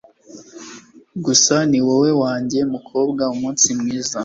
gusa ni wowe nanjye mukobwa, umunsi mwiza